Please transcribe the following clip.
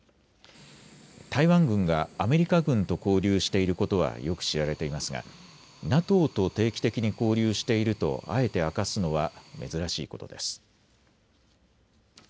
台湾軍がアメリカ軍と交流していることはよく知られていますがＮＡＴＯと定期的に交流しているとあえて明かすのは珍しいことです。